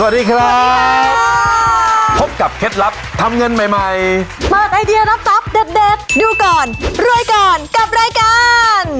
ทุกวันใหม่กันซิสิบปอนเยอร์